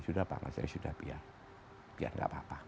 sudah pak kalau saya sudah biar biar nggak apa apa